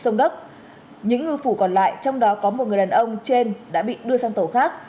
những ngư phủ còn lại trong đó có một người đàn ông trên đã bị đưa sang tàu khác